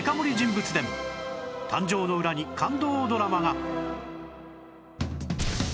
誕生の裏に感動ドラマが